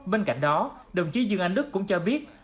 bên cạnh đó đồng chí dương anh đức cũng cho biết